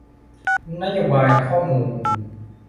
นโยบายข้อมูล